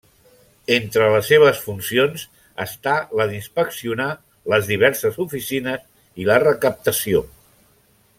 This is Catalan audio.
Entre les seves funcions està la d'inspeccionar les diverses oficines i la recaptació.